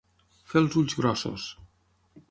Fer els ulls grossos.